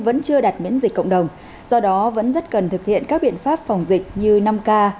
vẫn chưa đặt miễn dịch cộng đồng do đó vẫn rất cần thực hiện các biện pháp phòng dịch như năm k